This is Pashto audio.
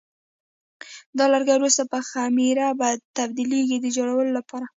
دا لرګي وروسته په خمېره تبدیلېږي د جوړولو لپاره.